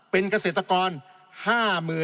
เป็นกระทั่วประเทศครับ